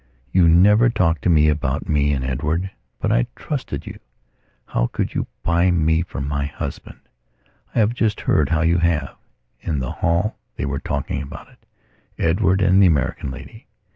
You never talked to me about me and Edward, but I trusted you. How could you buy me from my husband? I have just heard how you havein the hall they were talking about it, Edward and the American lady.